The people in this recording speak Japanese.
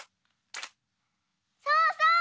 そうそう！